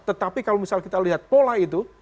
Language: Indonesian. tetapi kalau misal kita lihat pola itu